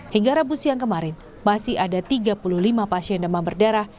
hingga rabu siang kemarin masih ada tiga puluh lima pasien demam berdarah